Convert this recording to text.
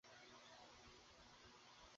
আচ্ছা, এই ঘরেই তাহলে সব ঘটেছে।